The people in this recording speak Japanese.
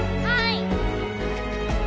はい！